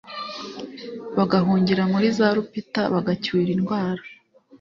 bagahungira muri za rupita bagacyura indwara